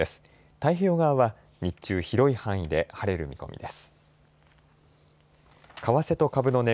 太平洋側は日中、広い範囲で晴れる見込みです。